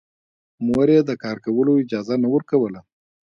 مور يې د کار کولو اجازه نه ورکوله